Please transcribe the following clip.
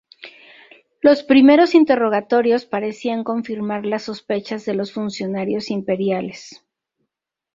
Los primeros interrogatorios parecían confirmar las sospechas de los funcionarios imperiales.